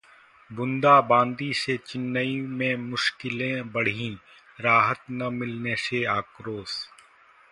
बूंदाबांदी से चेन्नई में मुश्किलें बढ़ीं, राहत न मिलने से आक्रोश